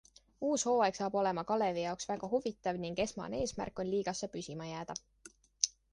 Uus hooaeg saab olema Kalevi jaoks väga huvitav ning esmane eesmärk on liigasse püsima jääda.